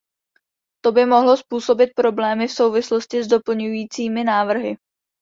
To by mohlo způsobit problémy v souvislosti s doplňujícími návrhy.